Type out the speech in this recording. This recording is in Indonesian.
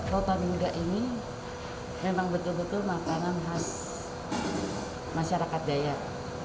rotan muda ini memang betul betul makanan khas masyarakat dayak